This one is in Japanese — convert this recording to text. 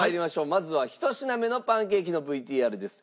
まずは１品目のパンケーキのＶＴＲです。